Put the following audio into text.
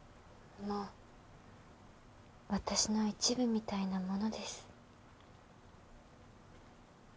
もう私の一部みたいなものです